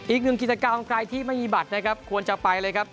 อีกหนึ่งกิจกรรมของใครที่ไม่มีบัตรนะครับควรจะไปเลยครับ